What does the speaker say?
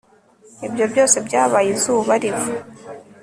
ibyo byose byabaye izuba riva